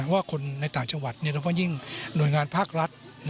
ว่าคนในต่างจังหวัดโดยเฉพาะยิ่งหน่วยงานภาครัฐ